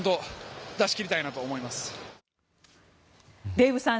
デーブさん